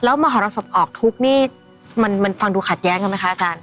มหรสบออกทุกข์นี่มันฟังดูขัดแย้งกันไหมคะอาจารย์